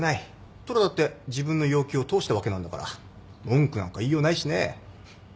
虎だって自分の要求を通したわけなんだから文句なんか言いようないしね。